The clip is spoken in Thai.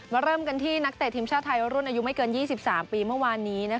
เริ่มกันที่นักเตะทีมชาติไทยรุ่นอายุไม่เกิน๒๓ปีเมื่อวานนี้